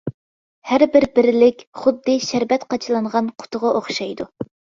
ھەر بىر بىرلىك خۇددى شەربەت قاچىلانغان قۇتىغا ئوخشايدۇ.